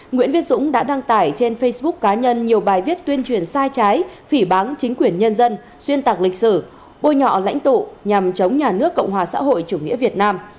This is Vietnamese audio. nguyễn viết dũng đã đăng tải trên facebook cá nhân nhiều bài viết tuyên truyền sai trái phỉ bán chính quyền nhân dân xuyên tạc lịch sử bôi nhọ lãnh tụ nhằm chống nhà nước cộng hòa xã hội chủ nghĩa việt nam